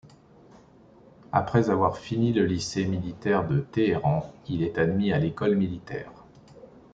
Après avoir fini le lycée militaire de Téhéran, il est admis à l'École militaire.